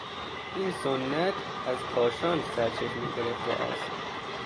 این سنت از کاشان سرچشمه گرفته است.